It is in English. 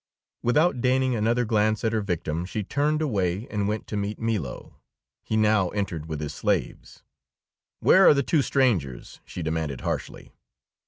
Without deigning another glance at her victim, she turned away and went to meet Milo. He now entered with his slaves. "Where are the two strangers?" she demanded harshly.